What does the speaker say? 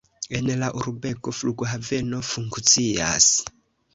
En la urbego flughaveno funkcias.